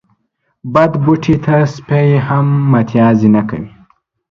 بد بوټي ته سپي هم متازې نه کوی